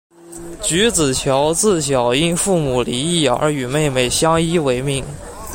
菊梓乔自小因父母离异而与妹妹相依为命。